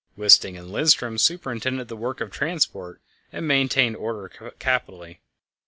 Wisting and Lindström superintended the work of transport, and maintained order capitally.